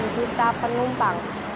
satu delapan juta penumpang